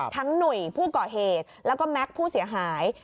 หนุ่ยผู้ก่อเหตุแล้วก็แม็กซ์ผู้เสียหาย